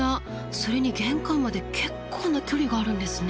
それに玄関まで結構な距離があるんですね。